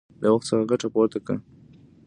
له وخت څخه ګټه پورته کړه!